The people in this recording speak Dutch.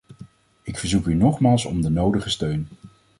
Ik verzoek u nogmaals om de nodige steun.